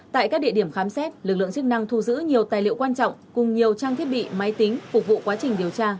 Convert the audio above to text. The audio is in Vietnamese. tại các địa điểm khám xét lực lượng chức năng thu giữ nhiều tài liệu quan trọng cùng nhiều trang thiết bị máy tính phục vụ quá trình điều tra